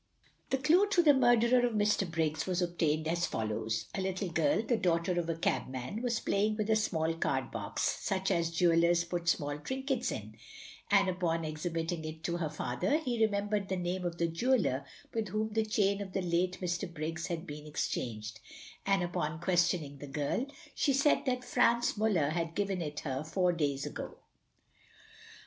The clue to the murderer of Mr. Briggs was obtained as follows: A little girl, the daughter of a cabman, was playing with a small card box, such as jewellers put small trinkets in, and upon exhibiting it to her father, he remembered the name of the jeweller with whom the chain of the late Mr. Briggs had been exchanged, and upon questioning the girl, she said that Franz Muller had given it her four days ago.